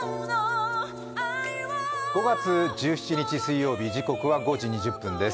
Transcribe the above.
５月１７日水曜日時刻は５時２０分です。